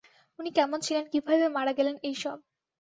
উনি কেমন ছিলেন, কীভাবে মারা গেলেন, এইসব।